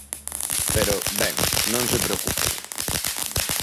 Pero, ben, non se preocupen.